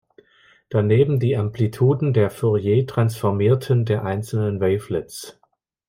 Daneben die Amplituden der Fourier-Transformierten der einzelnen Wavelets.